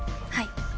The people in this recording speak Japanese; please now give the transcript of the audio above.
はい。